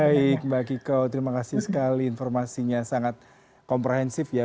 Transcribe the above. baik mbak kiko terima kasih sekali informasinya sangat komprehensif ya